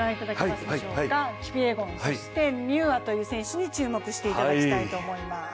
キプイエゴン、ミューアという選手に注目していただきたいと思います。